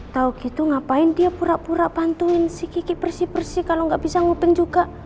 tau gitu ngapain dia pura pura bantuin si kiki persih persih kalau gak bisa ngupin juga